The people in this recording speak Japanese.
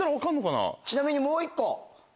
ちなみにもう１個。